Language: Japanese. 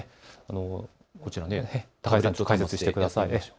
こちら、高井さん、解説してください。